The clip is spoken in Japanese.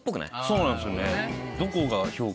そうなんですよね。